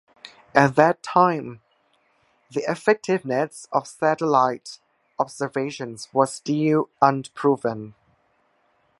At that time, the effectiveness of satellite observations was still unproven.